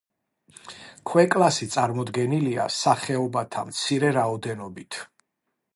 ქვეკლასი წარმოდგენილია სახეობათა მცირე რაოდენობით.